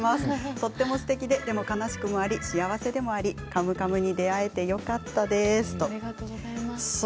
とてもすてきででも悲しくもあり幸せでもあり「カムカム」に出会えてよかったです。